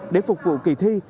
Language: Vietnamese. để phục vụ kỳ thi